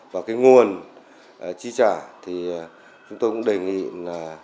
và cái nguồn chi trả thì chúng tôi cũng đề nghị là